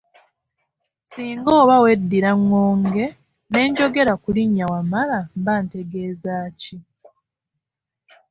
Singa oba weddira ngonge n'enjogera ku linnya Wamala mba ntegeeza ki?